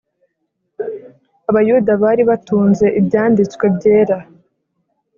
Abayuda bari batunze Ibyanditswe Byera